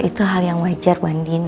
itu hal yang wajar bu anding